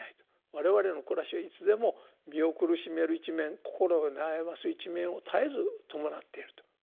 我々の暮らしはいつでも身を苦しめる一面心を悩ます一面を絶えず伴っていると。